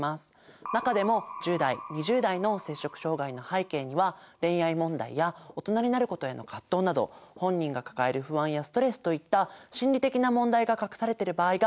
中でも１０代２０代の摂食障害の背景には恋愛問題や大人になることへの葛藤など本人が抱える不安やストレスといった心理的な問題が隠されてる場合が多いんですね。